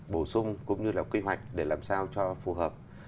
bổ sung cũng như là quy hoạch để làm sao cho phù hợp